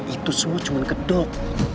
itu semua cuman kedok